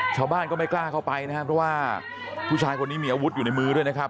ชาวบ้านก็ไม่กล้าเข้าไปนะครับเพราะว่าผู้ชายคนนี้มีอาวุธอยู่ในมือด้วยนะครับ